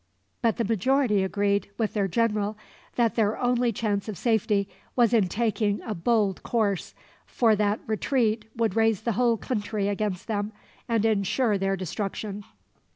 But the majority agreed, with their general, that their only chance of safety was in taking a bold course; for that retreat would raise the whole country against them, and ensure their destruction.